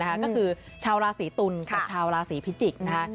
ก็คือชาวราศีตุลกับชาวราศีพิจิกษ์นะคะ